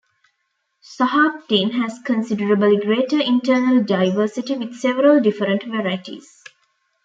Sahaptin has considerably greater internal diversity with several different varieties.